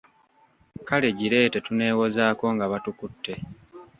Kale gireete tuneewozaako nga batukutte.